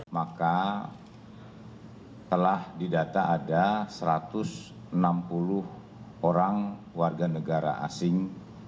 maka telah didata ada satu ratus enam puluh orang warga negara asing